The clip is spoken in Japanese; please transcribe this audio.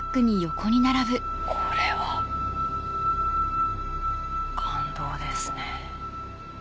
これは感動ですね。